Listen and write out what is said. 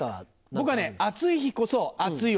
僕はね暑い日こそ熱いお風呂。